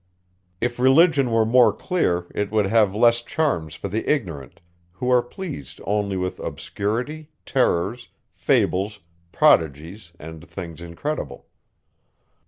If religion were more clear, it would have less charms for the ignorant, who are pleased only with obscurity, terrors, fables, prodigies, and things incredible.